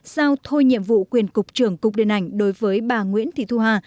giao thôi nhiệm vụ quyền cục trưởng cục điện ảnh đối với bà nguyễn thị thu hà